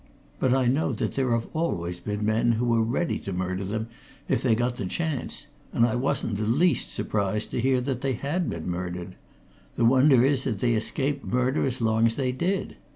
But I know that there have always been men who were ready to murder them if they got the chance, and I wasn't the least surprised to hear that they had been murdered. The wonder is that they escaped murder as long as they did!